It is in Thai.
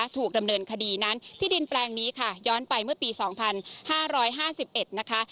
ถูกดำเนินคดีนั้นที่ดินแปลงนี้ค่ะย้อนไปเมื่อปี๒๕๕๑นะคะ